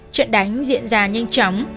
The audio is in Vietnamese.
trận đánh diễn ra nhanh chóng